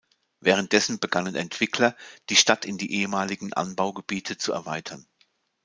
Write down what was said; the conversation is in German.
Währenddessen begannen Entwickler, die Stadt in die ehemaligen Anbaugebiete zu erweitern.